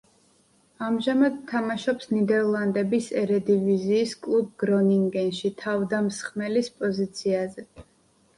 ამჟამად თამაშობს ნიდერლანდების ერედივიზიის კლუბ „გრონინგენში“ თავდამსხმელის პოზიციაზე.